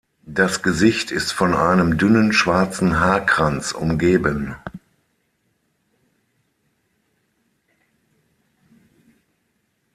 Das Gesicht ist von einem dünnen schwarzen Haarkranz umgeben.